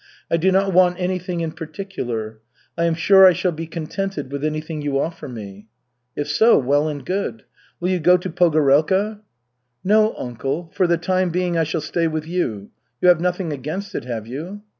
"I do not want anything in particular. I am sure I shall be contented with anything you offer me." "If so, well and good. Will you go to Pogorelka?" "No, uncle, for the time being I shall stay with you. You have nothing against it, have you?"